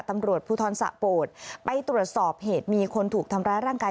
ตำรวจภูทรสะโปรดไปตรวจสอบเหตุมีคนถูกทำร้ายร่างกาย